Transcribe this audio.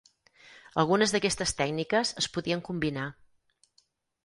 Algunes d'aquestes tècniques es podien combinar.